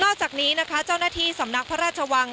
จากนี้นะคะเจ้าหน้าที่สำนักพระราชวัง